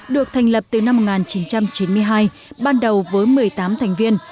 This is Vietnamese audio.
được thành lập từ năm một nghìn chín trăm chín mươi hai ban đầu với một mươi tám thành viên